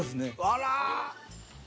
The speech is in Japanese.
あら。